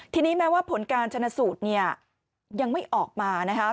ทีนี้แม้ว่าผลการชนะสูตรเนี่ยยังไม่ออกมานะคะ